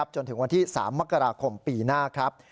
จนถึงวันที่๓มกราคมปีหน้าครับ